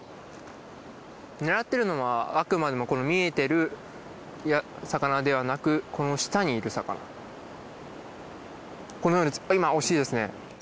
狙ってるのはあくまでもこの見えてる魚ではなくこの下にいる魚このように今惜しいですね